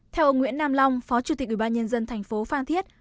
theo ông nguyễn nam long phó chủ tịch ubnd tp phan thiết